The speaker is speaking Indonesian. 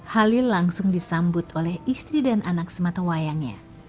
halil langsung disambut oleh istri dan anak sematawayangnya